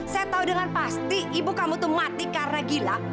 saya tahu dengan pasti ibu kamu tuh mati karena gila